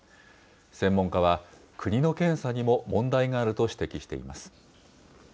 専門家は、国の検査にも問題があると指摘しています。